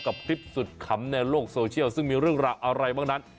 กับคลิปสุดขำในโลกโซเชียลซึ่งมีเรื่องราวอะไรบ้างนั้น